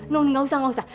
no nggak usah nggak usah